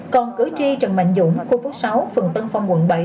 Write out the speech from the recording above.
còn cử tri trần mạnh dũng khu phố sáu phần tân phong quận bảy